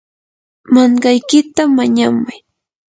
mankaykita mañamay.